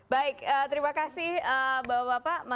baik terima kasih bapak bapak